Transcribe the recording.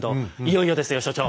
いよいよですよ所長。